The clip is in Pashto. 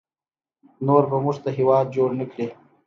نور به موږ ته هیواد جوړ نکړي